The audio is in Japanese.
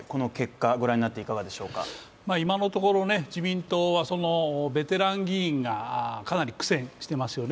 今のところ自民党はベテラン議員がかなり苦戦していますよね。